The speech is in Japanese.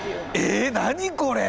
え何これ！